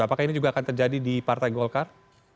apakah ini juga akan terjadi di partai golkar